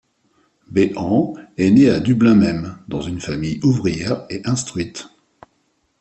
Behan est né à Dublin même dans une famille ouvrière et instruite.